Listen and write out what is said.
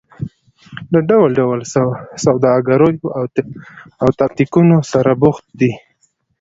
له ډول ډول سوداګریو او تاکتیکونو سره بوخت دي.